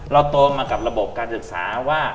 โตมากับระบบการศึกษาว่า